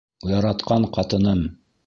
Яратҡан ҡатыным!